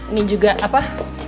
ini juga apa